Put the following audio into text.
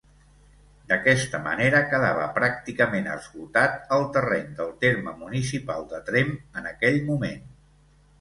D'aquesta manera quedava pràcticament esgotat el terreny del terme municipal de Tremp en aquell moment.